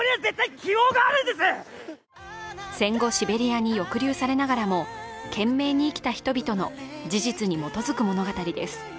戦後シベリアに抑留されながらも懸命に生きた人々の事実に基づく物語です。